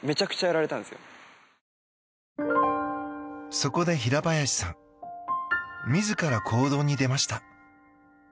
そこで平林さん自ら行動に出ました。